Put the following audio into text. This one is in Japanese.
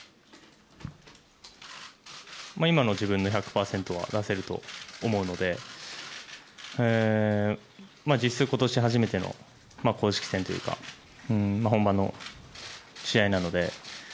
今の自分の１００％は出せると思うので実質今年初めての公式戦というか本番の試合なので。